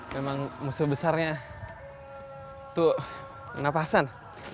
memang musuh besarnya itu napasan